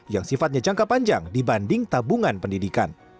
yang sifatnya jangka panjang dibanding tabungan pendidikan